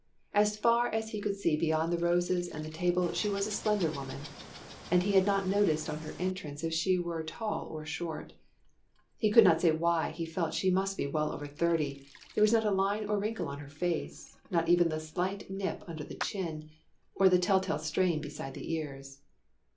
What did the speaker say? As far as he could see beyond the roses and the table she was a slender woman, and he had not noticed on her entrance if she were tall or short. He could not say why he felt she must be well over thirty there was not a line or wrinkle on her face not even the slight nip in under the chin, or the tell tale strain beside the ears.